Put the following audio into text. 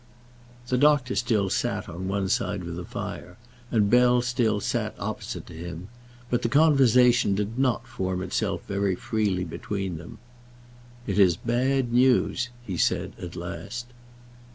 The doctor still sat on one side of the fire, and Bell still sat opposite to him; but the conversation did not form itself very freely between them. "It is bad news," he said, at last.